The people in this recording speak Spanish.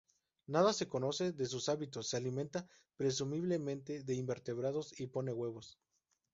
Nada se conoce de sus hábitos; se alimenta presumiblemente de invertebrados y pone huevos.